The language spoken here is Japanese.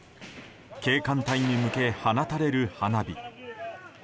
警官隊に向け放たれる花火。